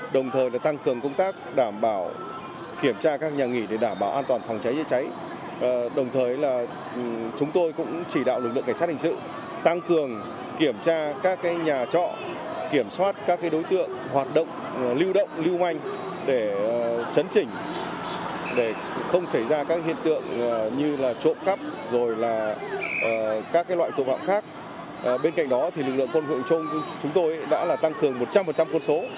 để chấn chỉnh để không xảy ra các hiện tượng như là trộm cắp rồi là các loại tù vọng khác bên cạnh đó thì lực lượng quân hội chung chúng tôi đã tăng cường một trăm linh quân số